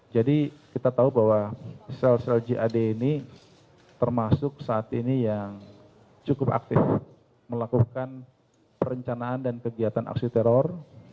jadi kita tahu bahwa sel sel jad ini termasuk saat ini yang cukup aktif melakukan perencanaan dan kegiatan aksi teror